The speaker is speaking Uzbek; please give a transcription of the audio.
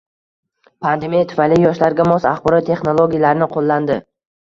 Pandemiya tufayli yoshlarga mos axborot texnologiyalarini qoʻllandi